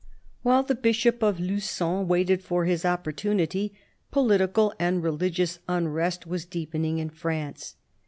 While the Bishop of Lu^on waited for his opportunity, political and religious unrest was deepening in France.